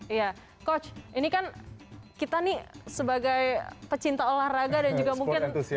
iya coach ini kan kita nih sebagai pecinta olahraga dan juga mungkin